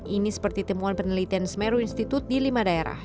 ini seperti temuan penelitian smeru institute di lima daerah